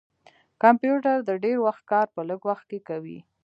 کمپیوټر د ډير وخت کار په لږ وخت کښې کوي